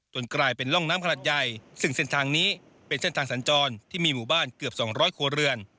กลายเป็นร่องน้ำขนาดใหญ่ซึ่งเส้นทางนี้เป็นเส้นทางสัญจรที่มีหมู่บ้านเกือบ๒๐๐ครัวเรือน